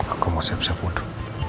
aku mau siap siap wudhu